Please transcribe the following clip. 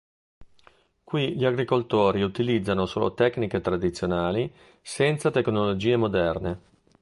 Qui gli agricoltori utilizzano solo tecniche tradizionali senza tecnologie moderne.